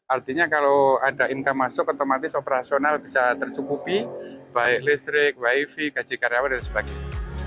artinya kalau ada income masuk otomatis operasional bisa tercukupi baik listrik wifi gaji karyawan dan sebagainya